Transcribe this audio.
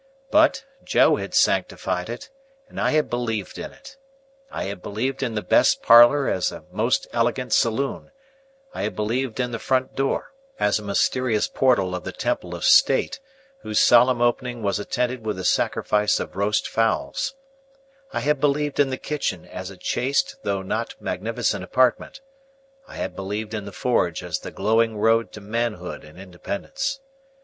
But, Joe had sanctified it, and I had believed in it. I had believed in the best parlour as a most elegant saloon; I had believed in the front door, as a mysterious portal of the Temple of State whose solemn opening was attended with a sacrifice of roast fowls; I had believed in the kitchen as a chaste though not magnificent apartment; I had believed in the forge as the glowing road to manhood and independence.